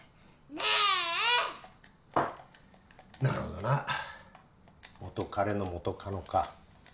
なるほどな元カレの元カノか。